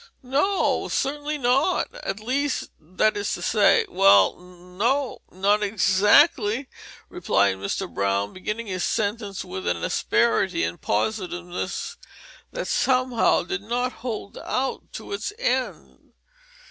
"No, certainly not at least that is to say well, no, not exactly," replied Mr. Brown, beginning his sentence with an asperity and positiveness that somehow did not hold out to its end.